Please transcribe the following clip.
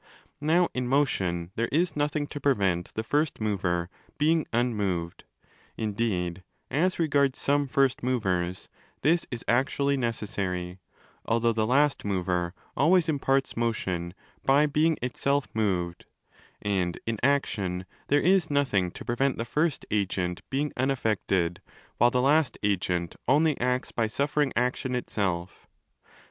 Now, in motion, there is nothing to prevent the first mover being unmoved (indeed, as regards some 'first movers' this is actually necessary) al though ¢he last mover always imparts motion by being itself moved: and, in action, there is nothing to prevent ¢he first agent being unaffected, while the last agent only acts by suffering action itself.